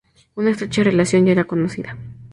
Una estrecha relación que ya era conocida.